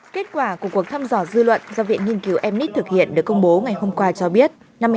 kết quả của cuộc thăm dò dư luận do viện nghiên cứu mnis thực hiện được công bố ngày hôm qua cho biết